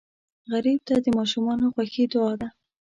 غریب ته د ماشومانو خوښي دعا ده